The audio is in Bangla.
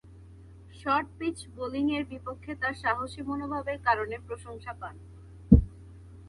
শর্ট-পিচ বোলিংয়ের বিপক্ষে তার সাহসী মনোভাবের কারণে প্রশংসা পান।